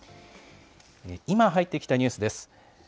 今入ってきたニュースです。